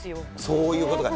そういうことか。